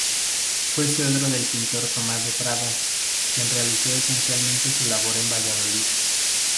Fue suegro del pintor Tomás de Prado, quien realizó esencialmente su labor en Valladolid.